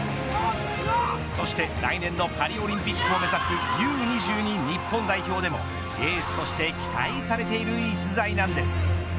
そして来年のパリオリンピックを目指すＵ‐２２日本代表でもエースとして期待されている逸材なんです。